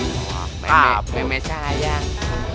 meme meme sayang